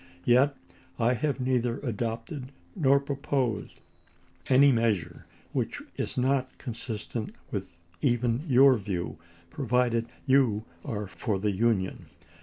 Yet I have neither adopted nor proposed any measure which is not consistent with even your view, provided you are for the Union.